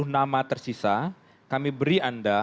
empat puluh nama tersisa kami beri anda